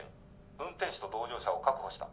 運転手と同乗者を確保した。